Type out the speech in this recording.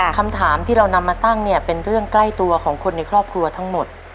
คำถามที่เรานำมาตั้งเนี่ยเป็นเรื่องใกล้ตัวของคนในครอบครัวทั้งหมด